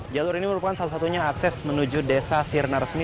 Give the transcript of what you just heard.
jalur ini merupakan salah satunya akses menuju desa sirnaresmi